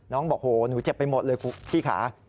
น้องบอกโอ้โฮหนูเจ็บไปหมดเลยที่ขา